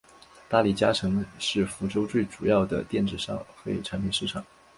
大利嘉城是福州最主要的电子消费产品市场。